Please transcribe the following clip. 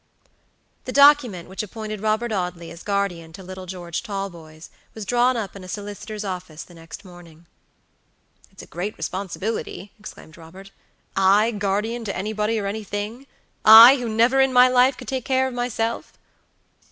The document which appointed Robert Audley as guardian to little George Talboys was drawn up in a solicitor's office the next morning. "It's a great responsibility," exclaimed Robert; "I, guardian to anybody or anything! I, who never in my life could take care of myself!"